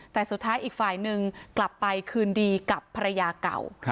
แต่สุดท้ายอีกฝ่ายนึงกลับไปคืนดีกับภรรยาเก่า